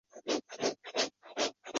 起重机是一种。